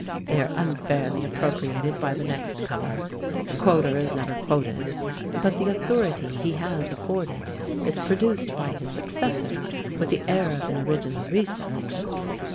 They are unfairly appropriated by the next comer; the quoter is never quoted, but the authority he has afforded is produced by his successor with the air of an original research.